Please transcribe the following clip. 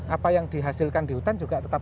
apa yang dihasilkan di hutan juga tetap